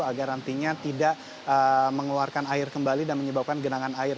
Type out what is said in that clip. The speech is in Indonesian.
agar nantinya tidak mengeluarkan air kembali dan menyebabkan genangan air